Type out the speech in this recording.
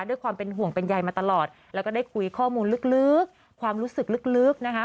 ด้วยความเป็นห่วงเป็นใยมาตลอดแล้วก็ได้คุยข้อมูลลึกความรู้สึกลึกนะคะ